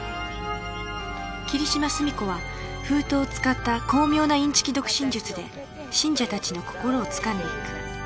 霧島澄子は封筒を使った巧妙なインチキ読心術で信者たちの心をつかんでいく